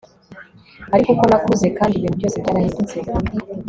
ariko uko nakuze kandi ibintu byose byarahindutse